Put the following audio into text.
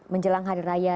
menjelang hari raya